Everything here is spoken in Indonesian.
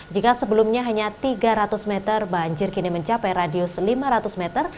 jika sebelumnya hanya tiga ratus meter banjir kini mencapai radius lima ratus meter